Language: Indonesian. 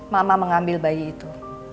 mama mengambil bayi itu